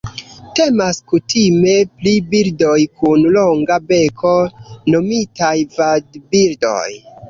Temas kutime pri birdoj kun longa beko nomitaj vadbirdoj.